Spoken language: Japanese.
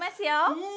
うん！